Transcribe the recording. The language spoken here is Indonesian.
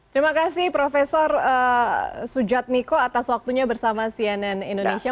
terima kasih profesor sujad miko atas waktunya bersama cnn indonesia